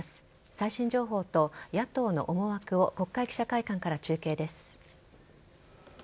最新情報と野党の思惑を国会記者会館から中継です。